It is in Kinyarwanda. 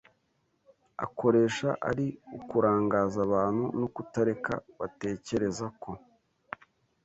akoresha ari ukurangaza abantu no kutareka batekereza ko